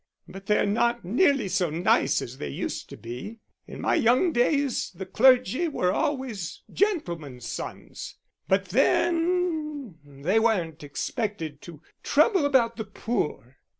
But they're not nearly so nice as they used to be. In my young days the clergy were always gentlemen's sons but then they weren't expected to trouble about the poor.